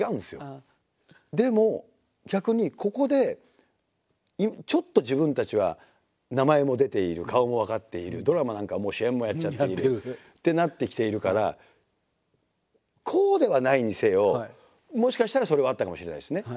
でも逆にここでちょっと自分たちは名前も出ている顔も分かっているドラマなんかも主演もやっちゃっているってなってきているからこうではないにせよもしかしたらそれはあったかもしれないですね。